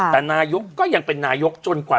แต่นายกก็ยังเป็นนายกจนกว่า